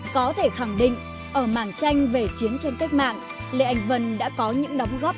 có thể khẳng định ở mảng tranh về chiến tranh cách mạng lê anh vân đã có những đóng góp